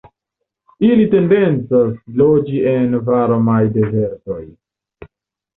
Ili tendencas loĝi en varmaj dezertoj.